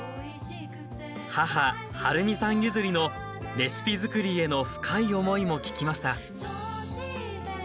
母はるみさん譲りの「レシピづくり」への深い思いも聞きました